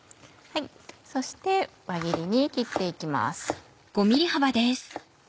そして輪切りに切って行きます。